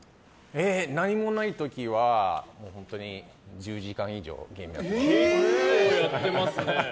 何もない時は１０時間以上ゲームやってますね。